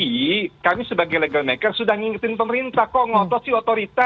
jadi kami sebagai legal maker sudah ngingetin pemerintah kok ngotot sih otorita